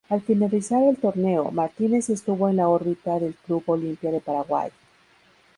Al finalizar el torneo, Martínez estuvo en la órbita del Club Olimpia de Paraguay.